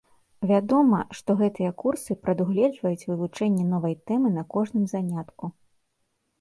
Вядома, што гэтыя курсы прадугледжваюць вывучэнне новай тэмы на кожным занятку.